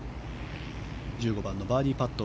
１５番のバーディーパット。